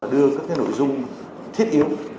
đưa các nội dung thiết yếu